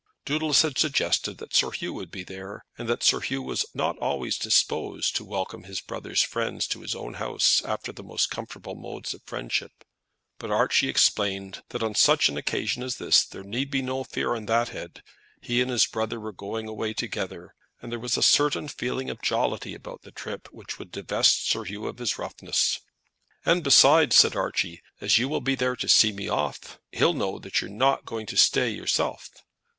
Doodles had suggested that Sir Hugh would be there, and that Sir Hugh was not always disposed to welcome his brother's friends to his own house after the most comfortable modes of friendship; but Archie explained that on such an occasion as this there need be no fear on that head; he and his brother were going away together, and there was a certain feeling of jollity about the trip which would divest Sir Hugh of his roughness. "And besides," said Archie, "as you will be there to see me off, he'll know that you're not going to stay yourself."